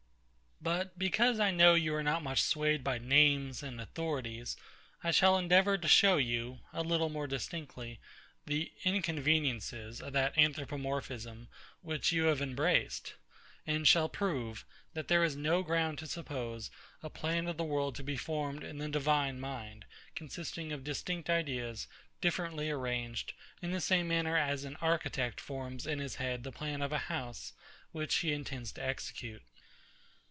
But because I know you are not much swayed by names and authorities, I shall endeavour to show you, a little more distinctly, the inconveniences of that Anthropomorphism, which you have embraced; and shall prove, that there is no ground to suppose a plan of the world to be formed in the Divine mind, consisting of distinct ideas, differently arranged, in the same manner as an architect forms in his head the plan of a house which he intends to execute.